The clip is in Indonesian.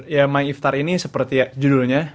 ya my iftar ini seperti judulnya